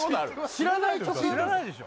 ・知らないでしょ？